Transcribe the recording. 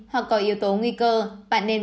hoặc có yếu tố nguy cơ bạn nên